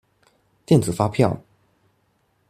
電子發票